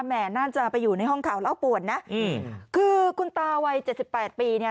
แม่น่าจะไปอยู่ในห้องข่าวเล่าป่วนนะอืมคือคุณตาวัยเจ็ดสิบแปดปีเนี่ย